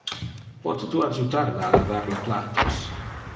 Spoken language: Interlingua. Pote tu adjutar me a lavar le plattos?